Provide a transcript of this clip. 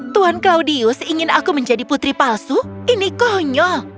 tuan claudius ingin aku menjadi putri palsu ini konyol